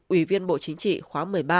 ủy viên bộ chính trị khóa một mươi ba